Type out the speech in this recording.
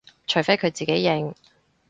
除非佢自己認